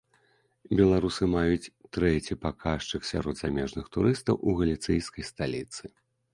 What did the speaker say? Беларусы маюць трэці паказчык сярод замежных турыстаў у галіцыйскай сталіцы.